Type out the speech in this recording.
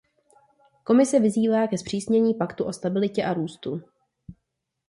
Komise vyzývá ke zpřísnění Paktu o stabilitě a růstu.